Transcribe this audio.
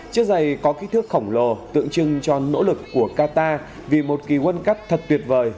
chiếc giày có kích thước khổng lồ tượng trưng cho nỗ lực của qatar vì một kỳ world cup thật tuyệt vời